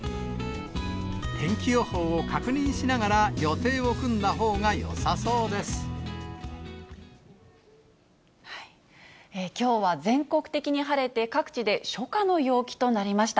天気予報を確認しながら、きょうは全国的に晴れて、各地で初夏の陽気となりました。